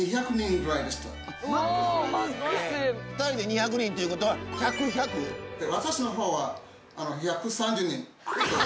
２人で２００人ということは私の方は１３０人。